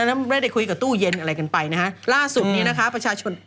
แล้วไม่ได้คุยกับตู้เย็นอะไรกันไปนะฮะล่าสุดนี้นะคะประชาชน